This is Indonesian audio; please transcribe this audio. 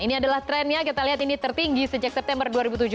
ini adalah trennya kita lihat ini tertinggi sejak september dua ribu tujuh belas